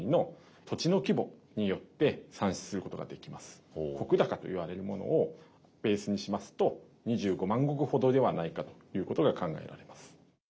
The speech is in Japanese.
このころの石高といわれるものをベースにしますと２５万石ほどではないかということが考えられます。